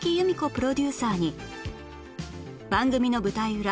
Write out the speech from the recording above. プロデューサーに番組の舞台裏